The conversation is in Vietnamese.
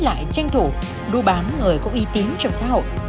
huy lại tranh thủ đu bán người có y tín trong xã hội